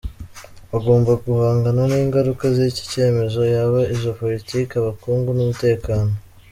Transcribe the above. Agomba guhangana n’ingaruka z’iki cyemezo yaba iza politiki, ubukungu n’umutekano.